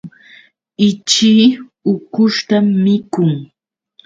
Ichii ukushtam mikun.